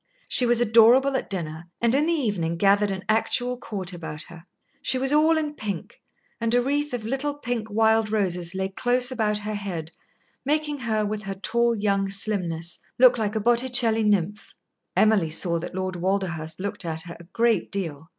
She was adorable at dinner, and in the evening gathered an actual court about her. She was all in pink, and a wreath of little pink wild roses lay close about her head, making her, with her tall young slimness, look like a Botticelli nymph. Emily saw that Lord Walderhurst looked at her a great deal.